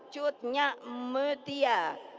cud nyak metia